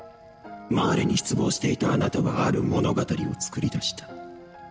マーレに失望していたあなたはある物語を作り出した。